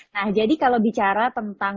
nah jadi kalau bicara tentang